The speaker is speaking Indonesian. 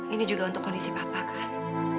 ini juga untuk kondisi papa kan